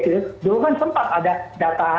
dulu kan sempat ada data